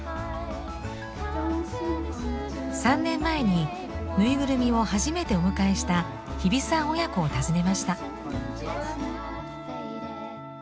３年前にぬいぐるみを初めてお迎えした日比さん親子を訪ねました。